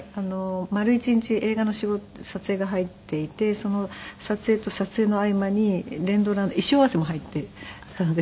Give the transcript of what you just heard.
丸一日映画の撮影が入っていてその撮影と撮影の合間に連ドラの衣装合わせも入っていたんですよ。